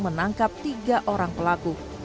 menangkap tiga orang pelaku